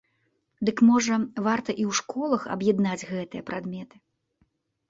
Дык, можа, варта і ў школах аб'яднаць гэтыя прадметы?